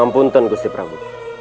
ampun gusti prabu